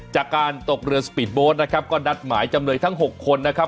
จากการตกเรือสปีดโบสต์นะครับก็นัดหมายจำเลยทั้ง๖คนนะครับ